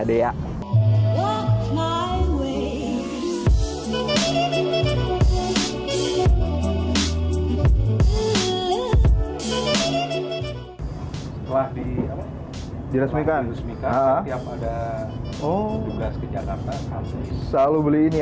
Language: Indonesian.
setelah diresmikan setiap ada tugas ke jakarta kami selalu beli ini